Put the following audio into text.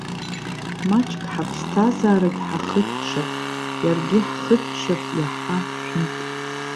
Маҷк ҳаԥсҭазаарагь ҳахыччап, иаргьы ҳхыччап иаҳа шәынтә.